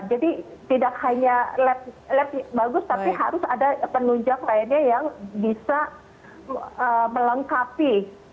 jadi tidak hanya lab lab bagus tapi harus ada penunjang lainnya yang bisa melengkapi